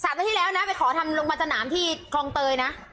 สามสัปดาห์ที่แล้วนะไปขอทำโรงพยาบาลสนามที่คลองเตยนะ